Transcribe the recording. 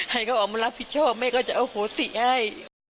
ให้เขาออกมารับผิดชอบแม่ก็จะอโหสิให้